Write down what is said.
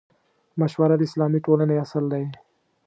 مشوره د اسلامي ټولنې اصل دی.